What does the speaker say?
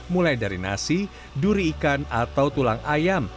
mulai dari nasi duri ikan atau tulang ayam